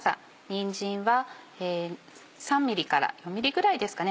にんじんは３ｍｍから４ｍｍぐらいですかね。